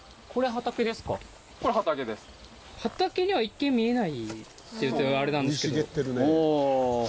畑には一見見えないと言うとあれなんですけど。